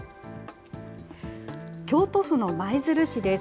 京都府の舞鶴市です。